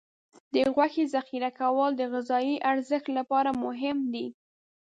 د غوښې ذخیره کول د غذايي ارزښت لپاره مهم دي.